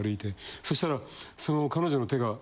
そしたらその彼女の手が。